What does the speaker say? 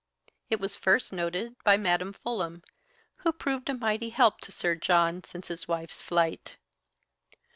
It was first noticed by Madam Fulham, who proved a mighty help to Sir John since his wife's flight.